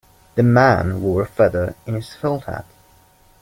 The man wore a feather in his felt hat.